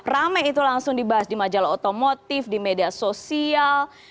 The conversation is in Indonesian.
rame itu langsung dibahas di majalah otomotif di media sosial